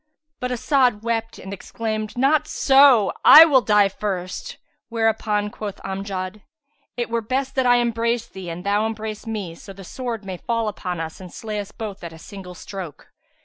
But As'ad wept and exclaimed, "Not so: I will die first;" whereupon quoth Amjad, "It were best that I embrace thee and thou embrace me, so the sword may fall upon us and slay us both at a single stroke."